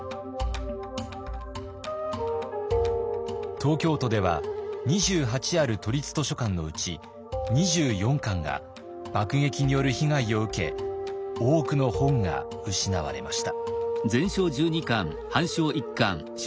東京都では２８ある都立図書館のうち２４館が爆撃による被害を受け多くの本が失われました。